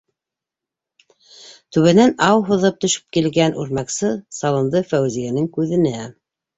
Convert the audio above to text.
Түбәнән ау һуҙып төшөп килгән үрмәксе салынды Фәүзиәнең күҙенә.